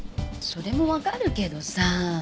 それもわかるけどさ。